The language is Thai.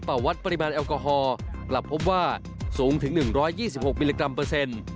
วัดปริมาณแอลกอฮอล์กลับพบว่าสูงถึง๑๒๖มิลลิกรัมเปอร์เซ็นต์